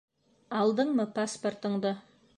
Алдыңмы паспортыңды?